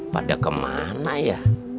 pada kemana ya